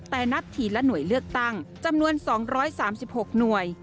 แต่นับทีละหน่วยเลือกตั้งจำนวน๒๓๖หน่วย